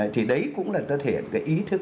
thì đấy cũng là tất hiện cái ý thức